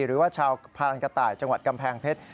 หรือว่าชาวพารันกระต่ายจังหวัดกำแพงเพชร